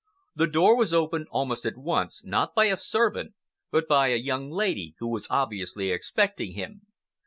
The door was opened almost at once, not by a servant but by a young lady who was obviously expecting him.